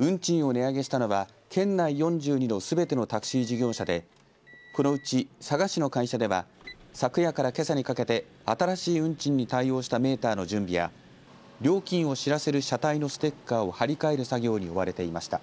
運賃を値上げしたのは県内４２のすべてのタクシー事業者でこのうち佐賀市の会社では昨夜からけさにかけて新しい運賃に対応したメーターの準備や料金を知らせる車体のステッカーを貼り替える作業に追われていました。